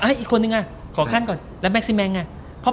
อีคนนึงอ่ะขอครั้นก่อนแล้วแม็คซิแมงไง